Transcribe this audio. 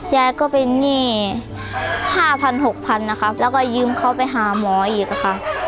ยายก็เป็นเนี่ยห้าพันหกพันนะคะแล้วก็ยืมเข้าไปหาหมออีกค่ะ